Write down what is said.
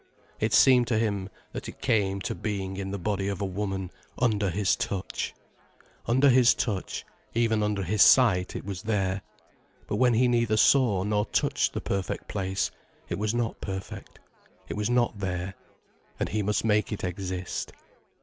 It seemed to him, that it came to being in the body of woman, under his touch. Under his touch, even under his sight, it was there. But when he neither saw nor touched the perfect place, it was not perfect, it was not there. And he must make it exist.